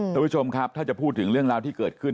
ท่านผู้ชมครับถ้าจะพูดถึงเรื่องราวที่เกิดขึ้น